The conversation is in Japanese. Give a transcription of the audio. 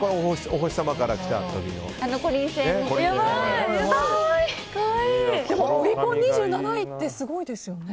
オリコン２７位ってすごいですよね。